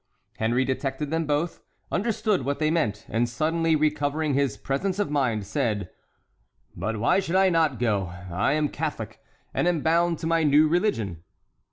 Henry detected them both, understood what they meant, and suddenly recovering his presence of mind said: "But why should I not go? I am a Catholic, and am bound to my new religion."